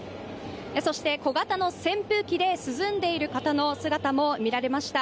そして、小型の扇風機で涼んでいる方の姿も見られました。